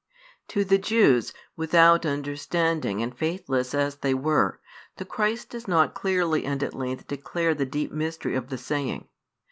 To the Jews, without understanding and faithless as they were, the Christ does not clearly and at length declare the deep mystery of the saying.